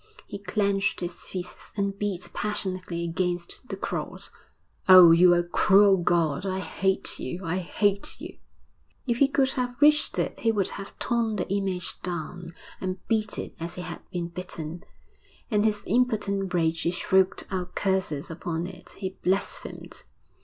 He clenched his fists and beat passionately against the cross. 'Oh, you are a cruel God! I hate you, I hate you!' If he could have reached it he would have torn the image down, and beat it as he had been beaten. In his impotent rage he shrieked out curses upon it he blasphemed.